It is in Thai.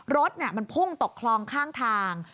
รถมันพุ่งตกคลองข้างทาง